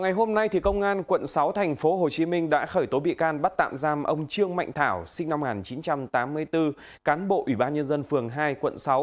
ngày hôm nay công an quận sáu tp hcm đã khởi tố bị can bắt tạm giam ông trương mạnh thảo sinh năm một nghìn chín trăm tám mươi bốn cán bộ ủy ban nhân dân phường hai quận sáu